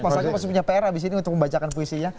mas agus masih punya pr abis ini untuk membacakan puisinya